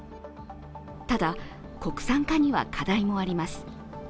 ただ、国産化には課題もあります。